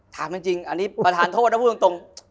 ถามจริงอันนี้ประธานโทษนะพูดตรง